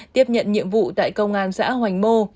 tiếp nhận nhiệm vụ tại công an xã hoành mô